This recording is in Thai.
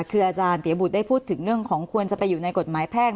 คืออาจารย์เปียบุตรได้พูดถึงเรื่องของควรจะไปอยู่ในกฎหมายแพ่ง